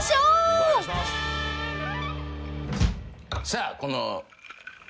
さあこの。